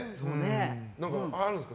何かあるんですか？